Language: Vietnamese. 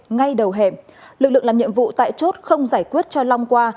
ngay đầu hẻm lực lượng làm nhiệm vụ tại chốt không giải quyết cho long qua